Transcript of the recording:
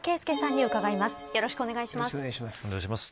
よろしくお願いします。